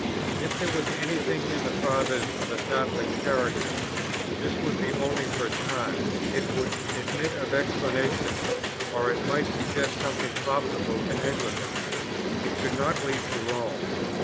If there was any thing in the Fathers of a startling character, this would be only for a time; it would admit of explanation, or it might suggest something profitable to Anglicans; it could not lead to Rome.